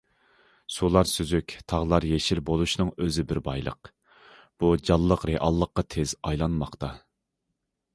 « سۇلار سۈزۈك، تاغلار يېشىل بولۇشنىڭ ئۆزى بىر بايلىق، بۇ، جانلىق رېئاللىققا تېز ئايلانماقتا».